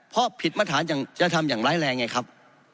เพราะผิดมาตรฐานอย่างจะทำอย่างร้ายแรงไงครับ